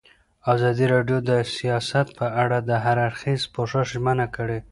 ازادي راډیو د سیاست په اړه د هر اړخیز پوښښ ژمنه کړې.